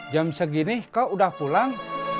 jam segini kau udah pulang